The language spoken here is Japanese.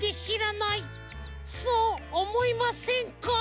そうおもいませんか？